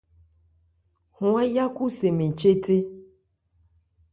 Hɔn áyákhu se mɛn ché thé.